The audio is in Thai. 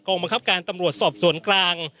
บังคับการตำรวจสอบสวนกลาง